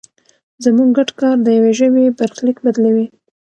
زموږ ګډ کار د یوې ژبې برخلیک بدلوي.